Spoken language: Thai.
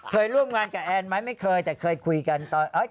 เคยร่วมงานกับแอนไหมไม่เคยแต่เคยคุยกันตอน